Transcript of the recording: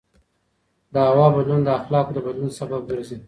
د هوا بدلون د اخلاقو د بدلون سبب ګرځي.